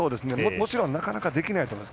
もちろんなかなかできないと思います。